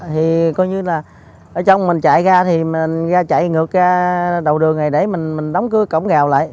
thì coi như là ở trong mình chạy ra thì mình ra chạy ngược ra đầu đường này để mình đóng cửa cổng rào lại